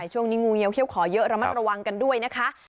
ช่วงนี้งูเยียเขี้ยขอเยอะระมัดระวังกันด้วยนะคะ